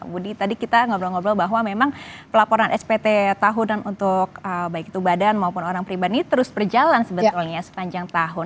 budi tadi kita ngobrol ngobrol bahwa memang pelaporan spt tahunan untuk baik itu badan maupun orang pribadi terus berjalan sebetulnya sepanjang tahun